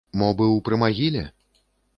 Мо быў пры магіле?